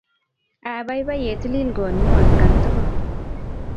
Apaipai ye tilil konyun atkan tukul